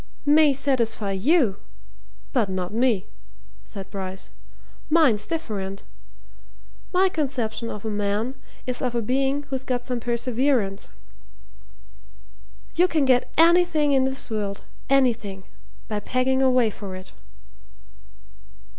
"May satisfy you but not me," said Bryce. "Mine's different. My conception of a man is of a being who's got some perseverance. You can get anything in this world anything! by pegging away for it."